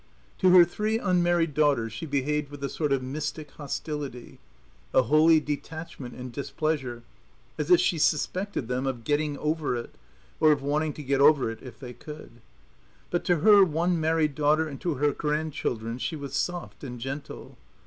To her three unmarried daughters she behaved with a sort of mystic hostility, a holy detachment and displeasure, as if she suspected them of getting over it, or of wanting to get over it if they could. But to her one married daughter and to her grand children she was soft and gentle.